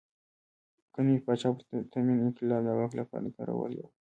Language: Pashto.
که نوي پاچا پرتمین انقلاب د واک لپاره کارولی وای.